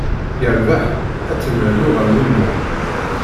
Yerbeḥ, ad tt-nernu ɣer wumuɣ.